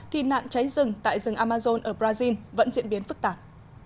thì nạn cháy rừng tại rừng amazon ở brazil vẫn diễn biến phức tạp